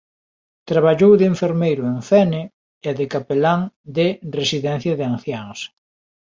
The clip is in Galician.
Traballou de enfermeiro en Fene e de capelán de Residencia de Anciáns.